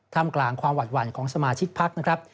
ทำกลางความหวัดหวั่นของสมาชิกพักนะครับ